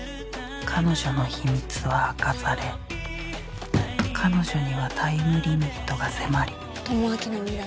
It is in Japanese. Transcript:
彼女の秘密は明かされ彼女にはタイムリミットが迫り智明の未来